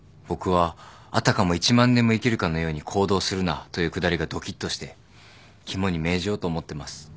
僕は「あたかも一万年も生きるかのように行動するな」というくだりがドキっとして肝に銘じようと思ってます。